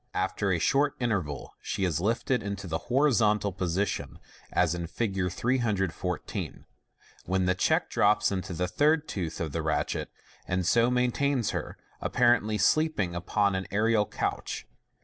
After a short interval she is lifted into the horizontal position, as in Fig. 314, when the check drops into the tl ir tooth of the ratchet, and so maintains her, apparently sleeping upon an aerial couch.